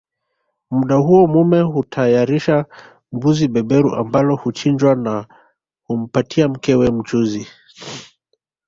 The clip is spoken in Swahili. Muda huo mume hutayarisha mbuzi beberu ambalo huchinjwa na humpatia mkewe mchuzi